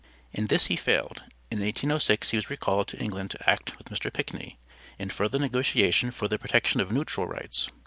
In this he failed, and in 1806 he was recalled to England to act with Mr. Pickney in further negotiation for the protection of neutral rights.